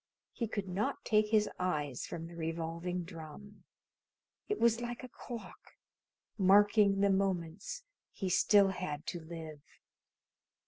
He could not take his eyes from the revolving drum. It was like a clock, marking the moments he still had to live.